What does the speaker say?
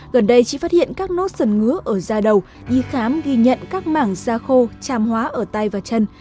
gần đây chị phát hiện các nốt dần ngứa ở da đầu đi khám ghi nhận các mảng da khô tràm hóa ở tay và chân